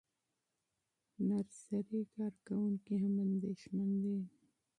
نرسري کارکوونکي هم اندېښمن دي.